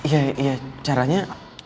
ya ya caranya